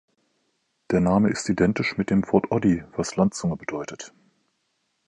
Der Name ist identisch mit dem Wort "oddi", was „Landzunge“ bedeutet.